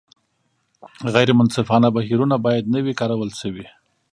غیر منصفانه بهیرونه باید نه وي کارول شوي.